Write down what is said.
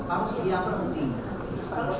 kepada kesehatan keamanan dan keamanan